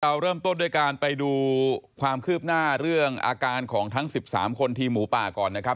เราเริ่มต้นด้วยการไปดูความคืบหน้าเรื่องอาการของทั้ง๑๓คนทีมหมูป่าก่อนนะครับ